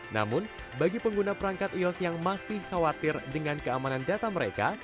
namun bagi pengguna perangkat ios yang masih khawatir dengan keamanan data mereka